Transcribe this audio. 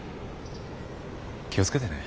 気を付けてね。